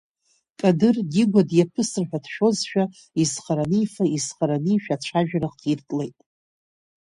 Кадыр, Дигәа диаԥысырҳәа дшәозшәа изхара анифа, изхара анижә, ацәажәара хиртлеит.